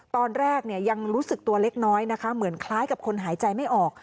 ตอนแรกยังรู้สึกตัวเล็กน้อยนะคะเหมือนคล้ายกับคนหายใจไม่ออก